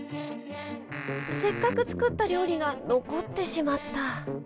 せっかく作った料理が残ってしまった。